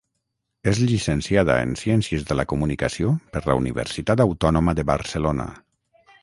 És llicenciada en Ciències de la Comunicació per la Universitat Autònoma de Barcelona.